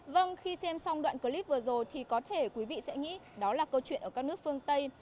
vâng khi xem xong đoạn clip vừa rồi thì có thể quý vị sẽ nghĩ đó là câu chuyện ở các nước phương tây